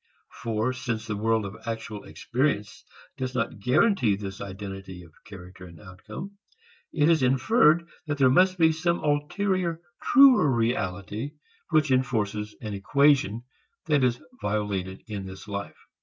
For since the world of actual experience does not guarantee this identity of character and outcome, it is inferred that there must be some ulterior truer reality which enforces an equation that is violated in this life.